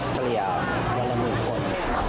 สริยาววันละหมื่นคน